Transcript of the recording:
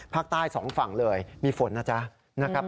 สองฝั่งเลยมีฝนนะจ๊ะนะครับ